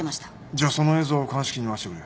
じゃあその映像を鑑識に回してくれ。